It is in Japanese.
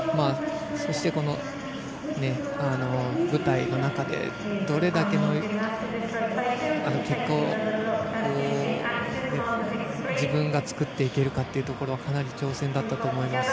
そして、この舞台の中でどれだけの結果を自分が作っていけるかっていうところはかなり挑戦だったと思います。